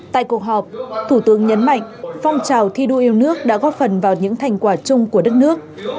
tại cuộc họp thủ tướng nhấn mạnh phong trào thi đua yêu nước đã góp phần vào những thành quả chung của đất nước